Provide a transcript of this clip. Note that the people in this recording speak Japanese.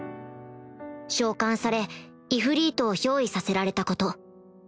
召喚されイフリートを憑依させられたこと